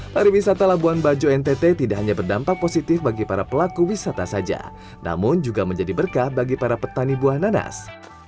pariwisata labuan bajo ntt tidak hanya berdampak positif bagi para pelaku wisata saja namun juga menjadi berkah bagi para petani buah nanas